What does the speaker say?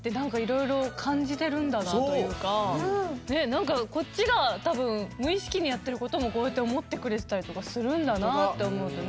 なんかこっちがたぶんむいしきにやってることもこうやっておもってくれてたりとかするんだなとおもうとね。